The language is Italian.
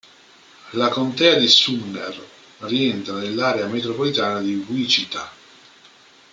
La contea di Sumner rientra nell'area metropolitana di Wichita.